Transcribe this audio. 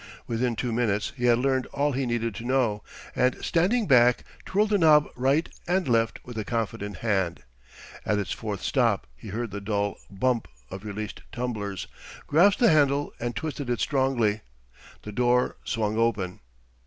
Within two minutes he had learned all he needed to know, and standing back twirled the knob right and left with a confident hand. At its fourth stop he heard the dull bump of released tumblers, grasped the handle, and twisted it strongly. The door swung open.